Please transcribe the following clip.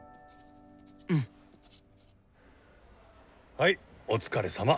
はいお疲れさま。